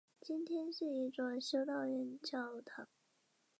今天是一座修道院教堂。